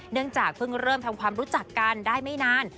เนื่องจากเพิ่งเริ่มทำความรู้จักกันได้ไม่นาน